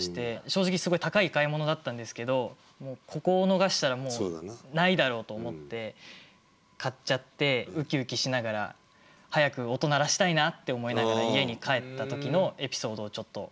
正直すごい高い買い物だったんですけどここを逃したらもうないだろうと思って買っちゃってウキウキしながら早く音鳴らしたいなって思いながら家に帰った時のエピソードをちょっと。